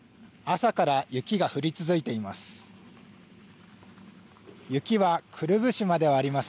朝から雪が降り続いています。